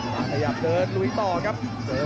ขยับเดินลุยต่อครับแตบนี้